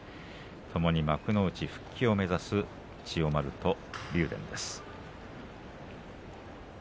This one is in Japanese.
ともに幕内復帰を目指す千代丸と竜電です。